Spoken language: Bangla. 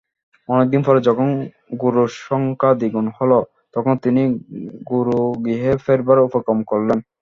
অনেকদিন পরে যখন গুরুর সংখ্যা দ্বিগুণ হল, তখন তিনি গুরুগৃহে ফেরবার উপক্রম করলেন।